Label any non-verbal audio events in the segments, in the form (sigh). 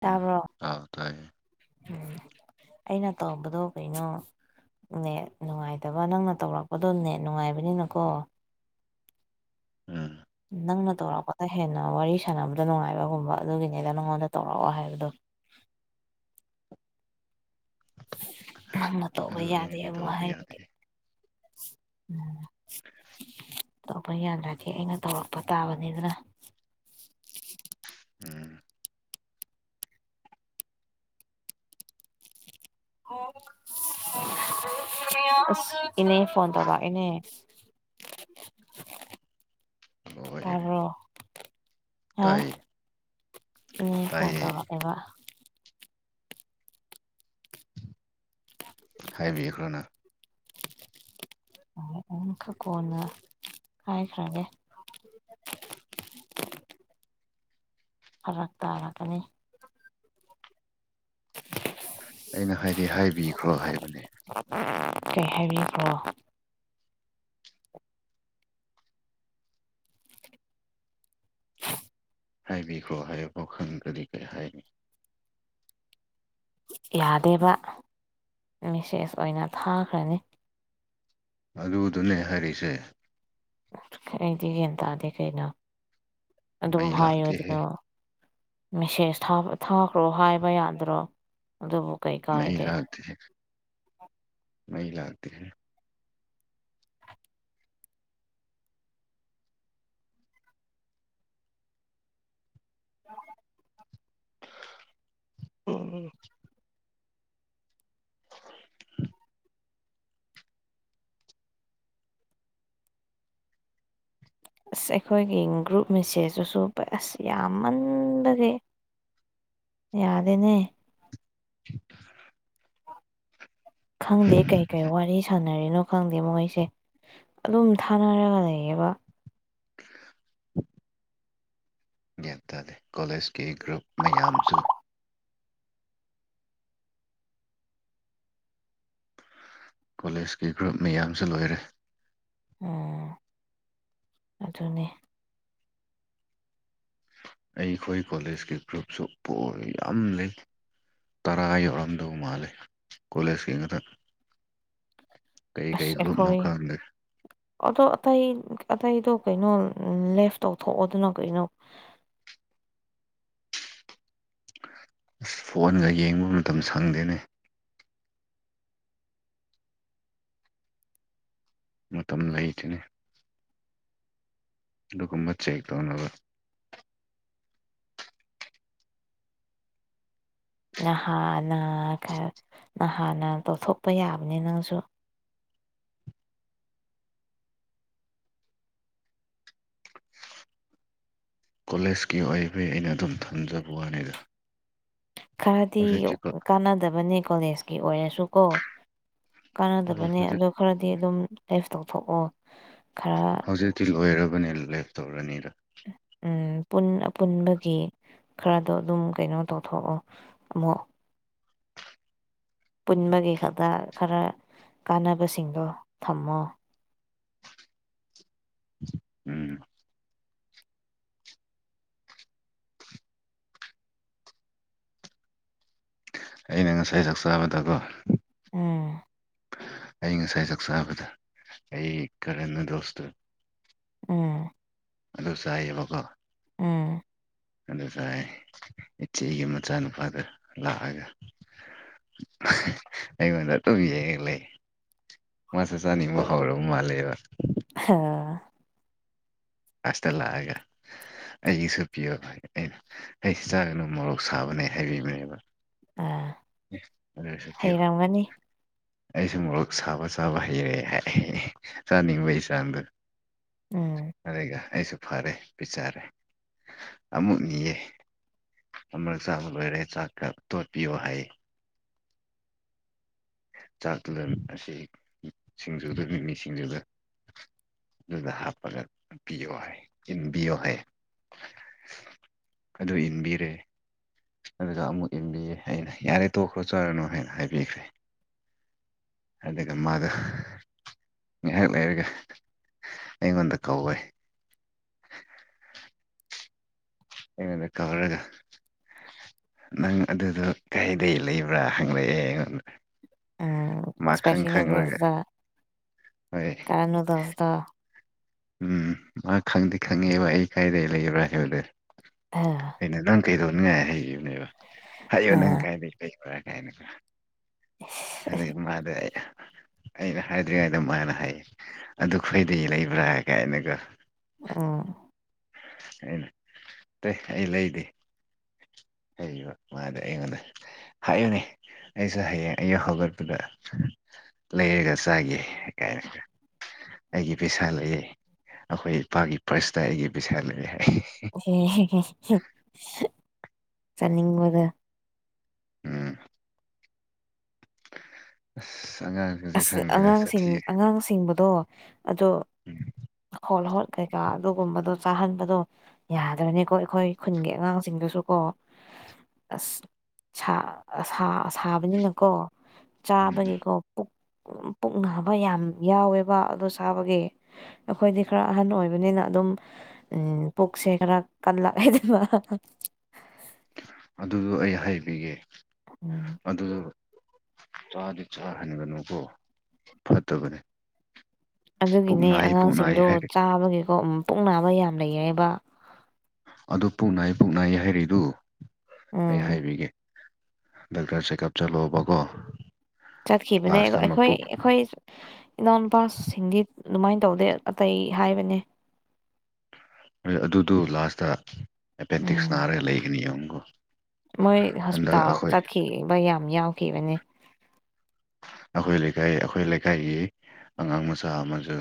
ꯇꯥꯕ꯭ꯔꯣ ꯑꯥ ꯇꯥꯏꯌꯦ ꯎꯝ ꯑꯩꯅ ꯇꯧꯕꯗꯣ ꯀꯩꯅꯣ ꯅꯦ ꯅꯨꯡꯉꯥꯏꯇꯕ ꯅꯪꯅ ꯇꯧꯔꯛꯄꯗꯣ ꯅꯦꯠ ꯅꯨꯡꯉꯥꯏꯕꯅꯤꯅꯀꯣ ꯎꯝ ꯅꯪꯅ ꯇꯧꯔꯛꯄꯗ ꯍꯦꯟꯅ ꯋꯥꯔꯤ ꯁꯥꯟꯅꯕꯗꯣ ꯅꯨꯡꯉꯥꯏꯕꯒꯨꯝꯕ ꯑꯗꯨꯒꯤꯅꯤꯗ ꯅꯪꯉꯣꯟꯗ ꯇꯧꯔꯛꯑꯣ ꯍꯥꯏꯕꯗꯣ ꯅꯪꯅ ꯇꯧꯕ ꯑꯗꯨ ꯌꯥꯗꯦ ꯑꯩꯅꯗꯤ ꯑꯃꯨꯛ ꯇꯧꯕ ꯌꯥꯗꯦ ꯍꯥꯏꯕꯒꯤ (unintelligible) ꯇꯧꯕ ꯌꯥꯟꯗ꯭ꯔꯗꯤ ꯑꯩꯅ ꯇꯧꯔꯛꯄ ꯇꯥꯕꯅꯤꯗꯅ ꯎꯝ ꯑ ꯏꯅꯦ (unintelligible) ꯐꯣꯟ ꯇꯧꯕ ꯏꯅꯦ ꯑꯣ ꯍꯣꯏꯔꯦ ꯇꯥꯕ꯭ꯔꯣ ꯍꯥ ꯎꯝ ꯐꯣꯟ ꯇꯥꯏꯌꯦ ꯇꯧꯔꯛꯑꯦꯕ ꯍꯥꯢꯕꯤꯌꯨꯔꯅ ꯑꯗꯨ ꯈꯔ ꯀꯣꯟꯅ ꯍꯥꯏꯈ꯭ꯔꯒꯦ ꯐꯔꯛ ꯇꯥꯔꯛꯀꯅꯤ ꯑꯩꯅ ꯍꯥꯏꯗꯤ ꯍꯥꯏꯕꯤꯈ꯭ꯔꯣ ꯍꯥꯏꯕꯅꯦ (unintelligible) ꯀꯩ ꯍꯥꯢꯕꯤꯈ꯭ꯔꯣ (unintelligible) ꯍꯥꯏꯕꯤꯈ꯭ꯔꯣ ꯍꯥꯏꯕꯐꯥꯎ ꯈꯪꯗ꯭ꯔꯗꯤ ꯀꯩ ꯍꯥꯏꯅꯤ ꯌꯥꯗꯦꯕ ꯃꯦꯁꯦꯁ ꯑꯣꯏꯅ ꯊꯥꯈ꯭ꯔꯅꯤ ꯑꯗꯨꯗꯨꯅꯦ ꯍꯥꯏꯔꯤꯁꯦ ꯑꯩꯗꯤ ꯒꯌꯥꯟ ꯇꯥꯗꯦ ꯀꯩꯅꯣ ꯑꯗꯨꯝ ꯃꯩ ꯍꯥꯏꯌꯣ ꯂꯥꯛꯇꯦꯍꯦ ꯑꯗꯨꯅ ꯃꯦꯁꯦꯁ ꯊꯥꯎ ꯊꯥꯈ꯭ꯔꯣ ꯍꯥꯏꯕ ꯌꯥꯗ꯭ꯔꯣ ꯑꯗꯨꯕꯨ ꯀꯩ ꯃꯩ ꯀꯥꯏꯒꯦ ꯂꯥꯛꯗꯦ ꯃꯩ ꯂꯥꯛꯇꯦ (inaudible) ꯍ ꯑꯣ ꯑꯁ ꯑꯩꯈꯣꯏꯒꯤ ꯒ꯭ꯔꯨꯞ ꯃꯤꯁꯦꯖꯁꯨꯁꯨ ꯑꯁ ꯌꯥꯝꯃꯟꯕꯒꯤ ꯌꯥꯗꯦꯅꯦ (unintelligible) ꯈꯪꯗꯦ ꯀꯩ ꯀꯩ ꯋꯥꯔꯤ ꯁꯥꯟꯅ ꯁꯅꯔꯤꯅꯣ ꯈꯪꯗꯦ ꯃꯣꯏꯁꯦ ꯑꯗꯨꯝ ꯊꯥꯅꯔꯒ ꯂꯩꯌꯦꯕ (unintelligible) ꯒ꯭ꯌꯥꯟ ꯇꯥꯗꯦ ꯀꯣꯂꯦꯖꯀꯤ ꯒ꯭ꯔꯨꯞ ꯃꯌꯥꯝꯁꯨ ꯀꯣꯂꯦꯖꯀꯤ ꯒ꯭ꯔꯨꯞ ꯃꯌꯥꯝꯁꯨ ꯂꯣꯏꯔꯦ ꯎꯝ ꯑꯗꯨꯅꯦ ꯑꯩꯈꯣꯏ ꯀꯣꯂꯦꯖꯀꯤ ꯒ꯭ꯔꯨꯞꯁꯨ ꯄꯣꯟ ꯌꯥꯝ ꯂꯩ ꯇꯔꯥ ꯌꯧꯔꯝꯗꯧ ꯃꯥꯜꯂꯦ ꯀꯣꯂꯦꯖ ꯀꯤꯉꯥꯛꯇ ꯑꯁ ꯒ꯭ꯔꯨꯞꯅꯣ ꯑꯩꯈꯣꯏ ꯈꯪꯗꯦ ꯑꯗꯣ ꯑꯇꯩ ꯑꯇꯩꯗꯣ ꯀꯩꯅꯣ ꯎꯝ ꯂꯦꯐ ꯇꯧꯊꯣꯛꯑꯣ ꯑꯗꯨꯅ ꯀꯩꯅꯣ ꯑꯁ ꯐꯣꯟꯒ ꯌꯦꯡꯕ ꯃꯇꯝ ꯁꯪꯗꯦꯅꯦ ꯃꯇꯝ ꯂꯩꯗꯨꯅꯤ ꯑꯗꯨꯒꯨꯝꯕ ꯆꯦꯛ ꯇꯧꯅꯕ ꯅꯍꯥꯟꯅ ꯈꯔ ꯅꯍꯥꯟꯅ ꯇꯧꯊꯣꯛꯄ ꯌꯥꯕꯅꯤ ꯅꯪꯁꯨ ꯀꯣꯂꯦꯖꯀꯤ ꯑꯣꯏꯕꯒꯤ ꯑꯩꯅ ꯑꯗꯨꯝ ꯊꯝꯖꯕ ꯋꯥꯅꯤꯗ ꯈꯔꯗꯤ ꯍꯧꯖꯤꯛꯇꯤ ꯀꯣ ꯀꯥꯟꯅꯗꯕꯅꯦ ꯀꯣꯂꯦꯖꯀꯤ ꯑꯣꯏꯔꯁꯨꯀꯣ ꯍꯣꯏ ꯀꯥꯟꯅꯗꯕꯅꯦ ꯍꯧꯖꯤꯛ ꯑꯗ ꯈꯔꯗꯤ ꯑꯗꯨꯝ ꯂꯦꯐ ꯇꯧꯊꯣꯛꯑꯣ ꯈꯔ ꯁꯇꯤꯜ ꯑꯣꯏꯔꯕꯅꯦ ꯂꯦꯞ ꯇꯧꯔꯅꯤꯗ ꯎ ꯑꯄꯨꯟꯕꯒꯤ ꯈꯔꯗꯣ ꯑꯗꯨꯝ ꯀꯩꯅꯣ ꯇꯧꯊꯣꯔꯛꯑꯣ ꯑꯃꯨꯛ ꯄꯨꯟꯕꯒꯤ ꯈꯛꯇ ꯈꯔ ꯀꯥꯟꯅꯕꯁꯤꯡꯗꯣ ꯊꯝꯃꯣ ꯎꯝ ꯑꯩꯅ ꯉꯁꯥꯏ ꯆꯥꯛꯆꯥꯕꯗꯀꯣ ꯎꯝ ꯑꯩ ꯉꯁꯥꯏ ꯆꯥꯛ ꯆꯥꯕꯗ ꯑꯩ ꯀꯔꯟꯅ ꯗꯣꯁꯇꯣ ꯎꯝ ꯑꯗꯨ ꯁꯥꯏꯌꯦꯕꯀꯣ ꯎꯝ ꯑꯗꯨ ꯇꯥꯏ ꯏꯆꯦꯒꯤ ꯃꯆꯥꯅꯨꯄꯥꯒ ꯂꯥꯛꯑꯒ ꯑꯩꯉꯣꯟꯗ ꯇꯧꯕꯕꯤꯒꯦꯛ ꯂꯩ (unintelligible) ꯃꯥꯁ ꯆꯥꯅꯤꯡꯕ ꯍꯧꯥꯎꯔ ꯃꯥꯜꯂꯦꯕ ꯍꯥ ꯑꯁꯇ ꯂꯥꯛꯑꯥꯒꯥ ꯑꯩꯒꯤꯁꯨ ꯄꯤꯌꯣ ꯑꯩꯁꯨ ꯆꯥꯒꯅꯨ ꯃꯣꯔꯣꯛ ꯁꯥꯕꯅꯦ ꯍꯥꯏꯕꯤꯕ ꯑꯩꯅꯥ ꯑꯥ ꯁ ꯄꯌꯣ ꯍꯩꯔꯝꯒꯅꯤ ꯑꯩꯁꯨ ꯃꯣꯔꯣꯛ ꯁꯥꯕ ꯆꯕ ꯍꯩꯔꯦ ꯍꯥꯏ ꯆꯥꯅꯤꯡꯕꯒꯤ ꯆꯥꯡꯗ ꯎꯝ ꯑꯗꯨꯒ ꯑꯩꯁꯨ ꯐꯔꯦ ꯄꯤꯖꯔꯦ ꯑꯃꯨꯛ ꯅꯤꯌꯦ ꯑꯃꯛ ꯆꯥꯛꯕ ꯂꯣꯏꯔꯦ ꯆꯥꯛꯀ ꯇꯣꯠꯄꯤꯌꯣ ꯍꯥꯏꯌꯦ ꯆꯥꯛ ꯇꯨꯂꯟ ꯑꯁꯤ ꯁꯤꯡꯖꯨꯗꯅꯤ ꯁꯤꯡꯖꯨꯗ ꯑꯗꯨꯗ ꯍꯥꯞꯄꯒꯄꯤꯌꯣ ꯍꯥꯏ ꯆꯤꯟꯕꯤꯌꯣ ꯍꯥꯏ ꯑꯗꯨ ꯏꯟꯕꯤꯔꯦ ꯑꯗꯨꯒ ꯑꯃꯨꯛ ꯏꯟꯕꯤꯌꯦ ꯑꯩꯅ ꯌꯥꯔꯦ ꯇꯣꯛꯈ꯭ꯔꯣ ꯆꯥꯔꯅ ꯍꯥꯏꯅ ꯍꯥꯏꯕꯤꯈ꯭ꯔꯦ ꯑꯗꯨꯒ ꯃꯥꯗꯣ ꯉꯥꯏꯍꯥꯛ ꯂꯩꯔꯒꯦ ꯑꯩꯉꯣꯟꯗ ꯀꯧꯏ ꯑꯩꯉꯣꯟꯗ ꯀꯧꯔꯒ ꯅꯪ ꯑꯗꯨꯗꯣ ꯀꯩꯗꯒꯤꯩ ꯂꯩꯕ꯭ꯔꯥ ꯍꯪꯂꯛꯑꯦ ꯑꯩꯉꯣꯟꯗ ꯎꯝ ꯃꯈꯪ ꯏꯁꯄꯦꯁꯤ ꯈꯪꯔꯒ ꯍꯣꯏ ꯀꯥꯅꯨꯗꯧꯗ (unintelligible) ꯎꯝ ꯃꯥ ꯈꯪꯗꯦ ꯈꯪꯉꯦꯕ ꯑꯩ ꯀꯥꯏꯗ ꯂꯩꯕ꯭ꯔꯥ ꯍꯥꯏꯕꯗꯨꯣ ꯑ ꯑꯩꯅ ꯅꯪ ꯀꯩꯗꯧꯅꯤꯡꯉꯥꯏ ꯍꯩꯈꯤꯕꯅꯦꯕ ꯍꯥꯏꯌꯣ ꯅꯪ ꯑꯥ ꯀꯥꯏ ꯀꯥ ꯀꯥꯏꯅ ꯑꯗꯨ ꯃꯥꯗ ꯑꯩꯅ ꯍꯥꯏꯗ꯭ꯔꯤꯉꯩꯗ ꯃꯥꯅ ꯍꯥꯏꯌꯦ ꯑꯗꯨ ꯈꯣꯏꯗꯤ ꯂꯩꯕ꯭ꯔꯥ ꯀꯥꯏꯅꯒ ꯑꯥ ꯑꯩꯅ ꯇꯇꯩ ꯑꯩ ꯂꯩꯗꯤ ꯍꯕ ꯃꯥꯗꯦ ꯑꯩꯉꯣꯟꯗ ꯍꯥꯏꯌꯨꯅꯦ ꯑꯩꯁꯨ ꯍꯌꯦꯡ ꯑꯩ ꯍꯧꯒꯠꯄꯗ ꯂꯩꯔꯒ ꯆꯥꯒꯦ ꯀꯥꯏꯅ ꯑꯩꯒꯤ ꯄꯩꯁꯥ ꯂꯩꯑꯦ ꯑꯩꯈꯣꯏ ꯏꯄꯥꯒꯤ ꯄꯥꯔꯁꯇ ꯑꯩꯒꯤ ꯄꯩꯁꯥ ꯂꯩꯑꯦ ꯍꯥꯏ ꯆꯠꯅꯤꯡꯕꯗ ꯎꯝ ꯑ ꯑꯉꯥꯡ ꯑ ꯑꯉꯥꯡꯁꯤꯡ ꯑꯉꯥꯡꯁꯤꯡꯕꯗꯣ ꯑꯗꯣ ꯎꯝ ꯍꯣꯠ ꯍꯣꯠ ꯀꯩꯀꯥ ꯑꯗꯨꯒꯨꯝꯕꯗꯣ ꯆꯥꯍꯟꯕꯗꯣ ꯌꯥꯗꯕꯅꯤꯀꯣ ꯑꯩꯈꯣꯏ ꯈꯨꯟꯒꯤ ꯑꯉꯥꯡꯁꯤꯡꯗꯨꯁꯨꯀꯣ ꯑꯁ ꯁꯥꯕꯅꯤꯅꯀꯣ ꯎꯝ ꯆꯥꯕꯒꯤꯀꯣ ꯄꯨꯛꯅꯕ ꯌꯥꯝ ꯌꯥꯎꯋꯦꯕ ꯑꯗꯨ ꯁꯥꯕꯒꯤ ꯑꯩꯈꯣꯏꯗꯤ ꯈꯔ ꯑꯍꯟ ꯑꯣꯏꯕꯅꯤꯅ ꯑꯗꯨꯝ ꯎꯝ ꯄꯨꯛꯁꯦ ꯈꯔ ꯀꯜꯂꯛꯗꯕ ꯑꯗꯨꯗꯣ ꯑꯩ ꯍꯥꯏꯕꯤꯒꯦ ꯎꯝ ꯑꯗꯨ ꯆꯥꯗꯤ ꯆꯥꯍꯟꯒꯅꯨꯀꯣ ꯐꯠꯇꯕꯅꯤ ꯑꯗꯨꯒꯤꯅꯦ ꯑꯉꯥꯡꯁꯤꯡꯗꯣ ꯆꯥꯕꯒꯤꯀꯣ ꯄꯨꯛ ꯅꯥꯕ ꯌꯥꯝ ꯂꯩꯌꯦꯕ ꯑꯗꯨ ꯄꯣꯛꯅꯥꯏ ꯄꯨꯛꯅꯥꯏ ꯍꯥꯏꯔꯤꯛꯏꯗꯨ ꯑꯩ ꯎꯝ ꯍꯥꯏꯕꯤꯒꯦ ꯗꯣꯛꯇꯔ ꯆꯦꯛꯀꯑꯞ ꯆꯂꯣꯕꯒꯣ ꯆꯠꯈꯤꯕꯅꯦ ꯑꯩꯈꯣꯏ ꯑꯩꯈꯣꯏ ꯏꯅꯥꯎꯄꯥꯁꯤꯡꯗꯤ ꯑꯗꯨꯃꯥꯏꯅ ꯇꯧꯗꯦ ꯑꯇꯩ ꯍꯥꯏꯕꯅꯦ ꯑꯗꯨꯗꯨ ꯂꯥꯁꯇ ꯑꯦꯄꯦꯟꯗꯤꯛꯁ ꯎꯝ ꯅꯥꯔꯒ ꯂꯩꯒꯅꯤ ꯌꯦꯡꯉꯨꯀꯣ ꯃꯣꯏ ꯍꯟꯗꯛ ꯍꯣꯁꯄꯤꯇꯥꯜ ꯑꯩꯈꯣꯏ ꯆꯠꯈꯤꯕ ꯌꯥꯝ ꯌꯥꯎꯈꯤꯕꯅꯦ ꯑꯩꯈꯣꯏ ꯂꯩꯀꯥꯏ ꯑꯩꯈꯣꯏ ꯂꯩꯀꯥꯏꯒꯤ ꯑꯉꯥꯡ ꯃꯆꯥ ꯑꯃꯁꯨ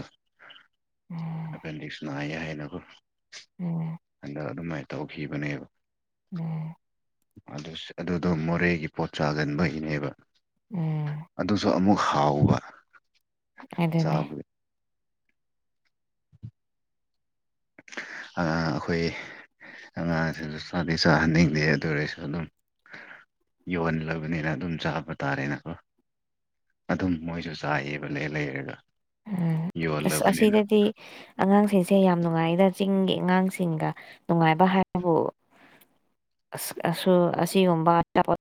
ꯎꯝ ꯑꯄꯦꯟꯗꯤꯛꯁꯅꯏ ꯍꯥꯏꯅꯈ ꯎꯝ ꯑ ꯑ ꯑꯗꯨ ꯇꯧꯈꯤꯕꯅꯦꯕ ꯎꯝ ꯑꯗꯨꯗꯣ ꯃꯣꯔꯦꯒꯤ ꯄꯣꯠ ꯆꯥꯒꯟꯕꯒꯤꯅꯦꯕ ꯎꯝ ꯑꯗꯨꯁꯨ ꯑꯃꯨꯛ ꯍꯥꯎꯕ ꯑꯗꯨꯗꯅꯦ ꯆꯥꯕꯗ ꯑꯩꯈꯣꯏ ꯑꯉꯥꯡꯁꯤꯡꯁꯨ ꯆꯗꯤ ꯆꯥꯍꯟꯅꯤꯡꯗꯦ ꯑꯗꯨ ꯑꯣꯏꯔꯁꯨ ꯑꯗꯨꯝ ꯌꯣꯍꯜꯂꯕꯅꯤꯅ ꯑꯗꯨꯝ ꯆꯥꯕ ꯇꯥꯔꯦꯅꯀꯣ ꯑꯗꯨꯝ ꯃꯣꯏꯁꯨ ꯆꯥꯏꯌꯦꯕ ꯂꯩ ꯂꯩꯔꯒ ꯎꯝ ꯌꯣꯜꯂꯕꯅꯤꯅ ꯑꯁꯤꯗꯗꯤ ꯑꯉꯥꯡꯁꯤꯡꯁꯦ ꯌꯥꯝ ꯅꯨꯡꯉꯥꯏꯗ ꯆꯤꯡꯒꯤ ꯑꯉꯥꯡꯁꯤꯡꯒ ꯅꯨꯡꯉꯥꯏꯕ ꯍꯥꯏꯕꯕꯨ ꯑꯁ ꯑ ꯑꯁꯤꯒꯨꯝꯕ ꯑꯆꯥꯄꯣ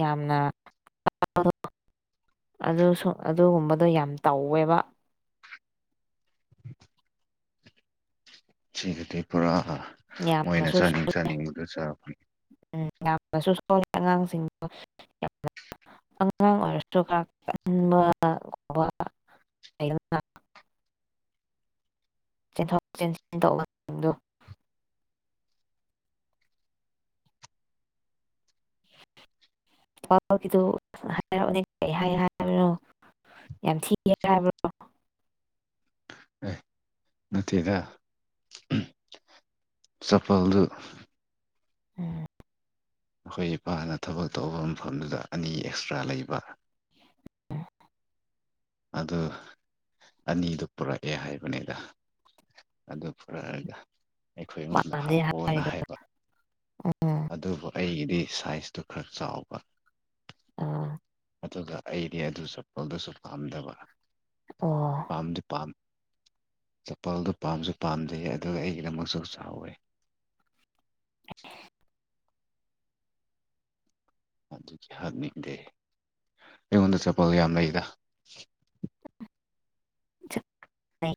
ꯌꯥꯝꯅ ꯑ ꯑꯗꯨꯁꯨ ꯑꯗꯨꯒꯨꯝꯕꯗꯣ ꯌꯥꯝ ꯇꯧꯋꯦꯕ ꯁꯤꯒꯤꯗꯤ ꯄꯨꯔꯥ ꯃꯣꯏꯅ ꯌꯥꯝꯅꯁꯨ ꯆꯥꯅꯤꯡ ꯆꯥꯅꯤꯡꯕꯗ ꯆꯥꯛꯄꯅꯤ ꯎꯝ ꯌꯥꯝꯅꯁꯨ ꯁꯣꯜꯂꯤꯦ ꯑꯉꯥꯡꯁꯤꯡꯗꯣ ꯌꯥꯝꯅ ꯑꯉꯥꯡ ꯑꯣꯏꯔꯁꯨꯥꯛ ꯀꯟꯕꯒꯨꯝꯕ ꯆꯦꯟꯊꯣꯛ ꯆꯦꯟꯁꯤꯟ ꯇꯧꯕꯁꯤꯡꯗꯣ ꯗꯨ ꯍꯥꯏꯅꯤ ꯀꯔꯤ ꯍꯥꯏ ꯍꯥꯏꯕꯅꯣ ꯌꯥꯝ ꯊꯤꯒꯦ ꯍꯥꯏꯕꯣ ꯑꯦ ꯅꯠꯇꯦꯗ ꯆꯄꯜꯗꯨ ꯎꯝ ꯑꯩꯈꯣꯏ ꯏꯄꯥꯅ ꯊꯕꯛ ꯇꯧꯕ ꯃꯐꯝꯗꯨꯗ ꯑꯅꯤ ꯑꯦꯛꯁꯇ꯭ꯔꯥ ꯂꯩꯕ ꯑꯗꯨ ꯑꯅꯤꯗꯨ ꯄꯨꯔꯛꯑꯦ ꯍꯥꯏꯕꯅꯤꯗ ꯑꯗꯨ ꯐꯔꯛꯑꯒ ꯑꯩꯈꯣꯏ ꯑꯩꯉꯣꯟꯗ ꯄꯥꯝꯗꯦ ꯍꯥꯞꯄꯣꯅ ꯍꯥꯏꯔꯒ ꯍꯥꯏꯕ ꯎꯝ ꯑꯗꯨꯕꯨ ꯑꯩꯒꯤꯗꯤ ꯁꯥꯏꯖꯇꯨ ꯈꯔ ꯆꯥꯎꯕ ꯑꯥ ꯑꯗꯨꯒ ꯑꯩꯗꯤ ꯑꯗꯨ ꯆꯄꯣꯜꯗꯨꯁꯨ ꯄꯥꯝꯗꯕ ꯑꯣ ꯄꯥꯝꯗꯤ ꯄꯥꯝ ꯆꯄꯜꯗꯨ ꯄꯥꯝꯁꯨ ꯄꯥꯝꯖꯩ ꯑꯗꯨꯒ ꯑꯩꯒꯤꯗꯃꯛꯁꯨ ꯆꯥꯎꯋꯦ ꯑꯗꯨꯗꯤ ꯍꯥꯏꯪꯅꯤꯡꯗꯦ ꯑꯩꯉꯣꯟꯗ ꯆꯄꯣꯜ ꯌꯥꯝ ꯂꯩꯗ ꯑ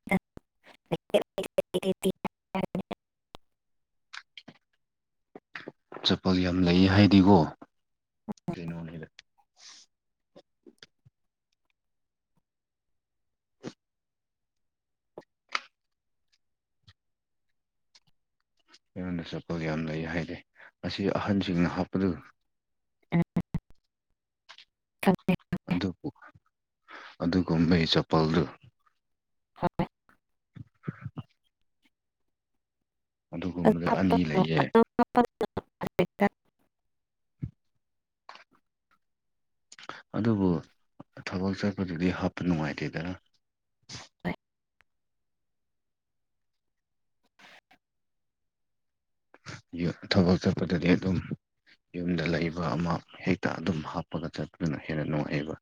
ꯆꯄꯜ ꯌꯥꯝ ꯂꯩ ꯍꯥꯏꯗꯤꯀꯣ ꯀꯩꯅꯣꯅꯤ ꯑꯩꯉꯣꯟꯗ ꯆꯠꯄꯒ ꯌꯥꯝ ꯂꯩ ꯍꯥꯏꯔꯦ ꯑꯁꯤ ꯑꯍꯟꯁꯤꯡꯅ ꯍꯥꯞꯄꯗ ꯊꯦ ꯑꯗꯨꯕꯨ ꯑꯗꯨꯒꯨꯝꯕꯒꯤ ꯆꯄꯜꯗꯨ ꯍ (unintelligible) (unintelligible) ꯑꯗꯨꯒ ꯑ ꯑꯅꯤ ꯂꯩꯔꯦ ꯑꯗꯨꯕꯨ ꯊꯕꯛ ꯆꯠꯄꯗꯨꯗꯤ ꯍꯥꯞꯄ ꯅꯨꯡꯉꯥꯏꯇꯦꯗꯅ ꯌ ꯊꯕꯛ ꯆꯠꯄꯗꯗꯤ ꯑꯗꯨꯝ ꯌꯨꯝꯗ ꯂꯩꯕ ꯑꯃ ꯍꯦꯛꯇ ꯑꯗꯨꯝ ꯍꯥꯞꯄꯒ ꯆꯠꯄꯗꯨꯅ ꯍꯦꯟꯅ ꯅꯨꯡꯉꯥꯏꯑꯦꯕ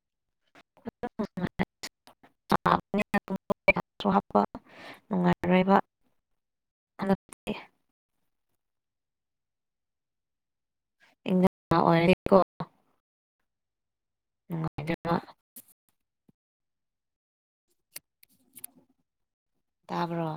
ꯍꯥꯄ ꯅꯨꯡꯉꯥꯏꯔꯣꯏꯕ ꯍꯟꯗꯛꯇꯤ ꯑꯣꯏꯔꯦꯀꯣ ꯎꯝ ꯇꯥꯕꯣ